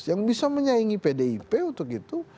yang bisa menyaingi pdip untuk itu